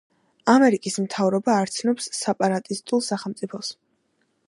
ამერიკის მთავრობა არ ცნობს სეპარატისტულ „სახელმწიფოს“.